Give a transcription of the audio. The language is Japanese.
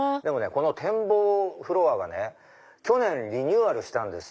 この展望フロアは去年リニューアルしたんです。